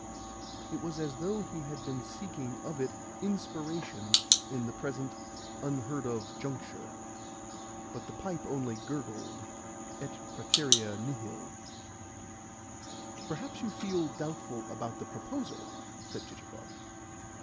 It was as though he had been seeking of it inspiration in the present unheard of juncture. But the pipe only gurgled, et praeterea nihil. "Perhaps you feel doubtful about the proposal?" said Chichikov.